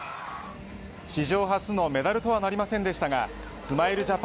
史上初のメダルとはなりませんでしたがスマイル